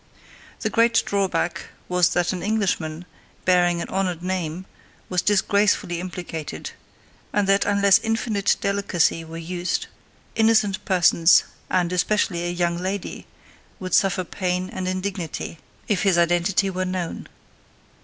The great drawback was that an Englishman, bearing an honoured name, was disgracefully implicated, and that unless infinite delicacy were used, innocent persons, and, especially, a young lady, would suffer pain and indignity, if his identity were known.